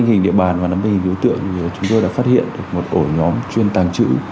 bên hình địa bàn và nắm bình hình đối tượng chúng tôi đã phát hiện được một ổ nhóm chuyên tàng trữ